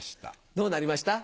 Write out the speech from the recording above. どうなりました？